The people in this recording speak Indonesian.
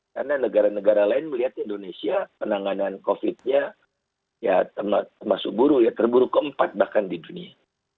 karena negara negara lain melihatnya indonesia penanganan covid nya ya termasuk buruh ya terburu keempat bahkan di dunia